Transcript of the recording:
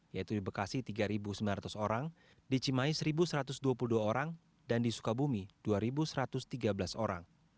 yaitu di bekasi tiga sembilan ratus orang di cimahi satu satu ratus dua puluh dua orang dan di sukabumi dua satu ratus tiga belas orang